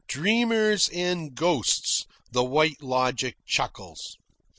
"Dreamers and ghosts," the White Logic chuckles.